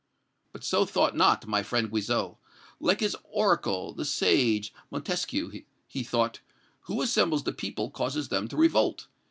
"But so thought not my friend Guizot. Like his oracle, the sage Montesquieu, he thought, 'Who assembles the people causes them to revolt.'